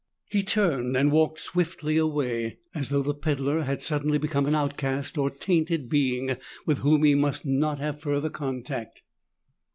He turned and walked swiftly away, as though the peddler had suddenly become an outcast or tainted being with whom he must not have further contact.